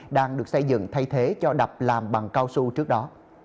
đang được xây dựng thay thế cho đập làm bằng cao su trước đó